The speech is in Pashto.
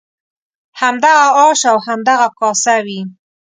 همدغه آش او همدغه کاسه وي.